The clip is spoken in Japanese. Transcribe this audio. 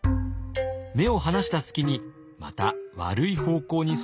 目を離した隙にまた悪い方向に育っては大変。